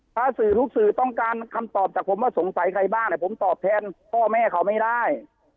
ถ้าสื่อทุกสื่อต้องการคำตอบจากผมว่าสงสัยใครบ้างผมตอบแทนพ่อแม่เขาไม่ได้